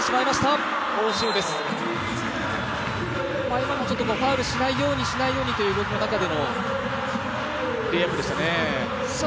今のは、ファウルをしないように、しないようにという動きの中でのレイアップでしたね。